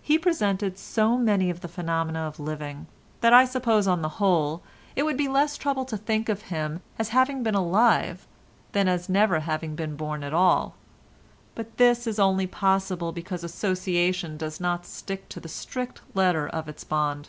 He presented so many of the phenomena of living that I suppose on the whole it would be less trouble to think of him as having been alive than as never having been born at all, but this is only possible because association does not stick to the strict letter of its bond.